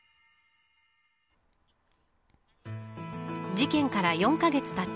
事件から４カ月たった